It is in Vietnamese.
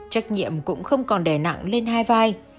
trách nhiệm cũng không còn đè nặng lên hai vai